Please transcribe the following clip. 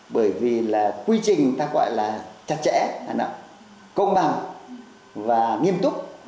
bởi vì là quy trình ta gọi là chặt chẽ công bằng và nghiêm túc